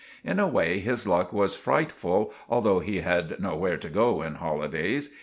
In a way his luck was friteful although he had nowhere to go in holidays.